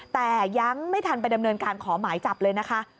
แต่ยังไม่ทันไปดำเนินการขอหมายจับเลยนะคะ